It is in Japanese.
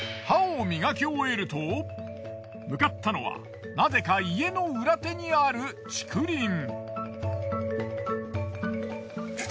歯を磨き終えると向かったのはなぜか家の裏手にある竹林。